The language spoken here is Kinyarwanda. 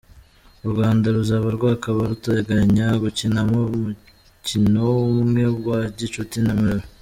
U Rwanda ruzaba rwakaba ruteganya gukinamo umukino umwe wa gicuti na Malawi.